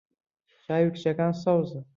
چاوی کچەکە سەوزە.